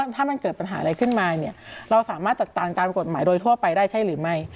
ถ้ามันเกิดปัญหาอะไรขึ้นมาเนี่ยเราสามารถจัดการตามกฎหมายโดยทั่วไปได้ใช่หรือไม่